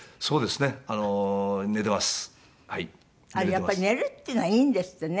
やっぱり寝るっていうのはいいんですってね。